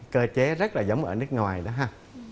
cơ chế rất là giống ở nước ngoài đó ha